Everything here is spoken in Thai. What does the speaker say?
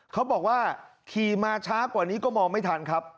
เขาบอกว่าขี่มาช้ากว่านี้ก็มองไม่ทันครับ